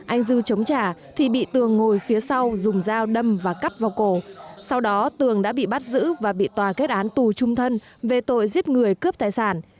anh dư chống trả thì bị tường ngồi phía sau dùng dao đâm và cắt vào cổ sau đó tường đã bị bắt giữ và bị tòa kết án tù trung thân về tội giết người cướp tài sản